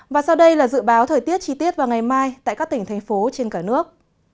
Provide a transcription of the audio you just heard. và sau đây là dự báo thời tiết chi tiết vào ngày mai tại các tỉnh thành phố trên cả nước